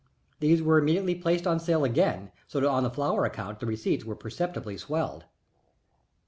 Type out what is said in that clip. These were immediately placed on sale again so that on the flower account the receipts were perceptibly swelled.